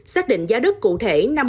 xác định giá đất cụ thể